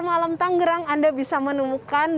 malam tanggerang anda bisa menemukan